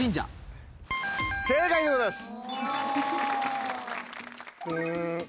正解でございます。